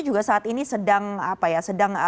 juga saat ini sedang